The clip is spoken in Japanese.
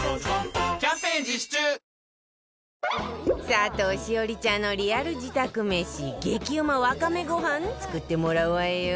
佐藤栞里ちゃんのリアル自宅めし激うまワカメご飯作ってもらうわよ